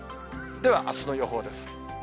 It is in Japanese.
ではあすの予報です。